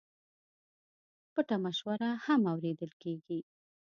پټه مشوره هم اورېدل کېږي.